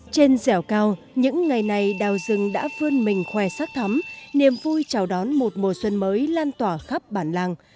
trên dẻo cao những ngày này đào rừng đã vươn mình khoe sắc thắm niềm vui chào đón một mùa xuân mới lan tỏa khắp bản làng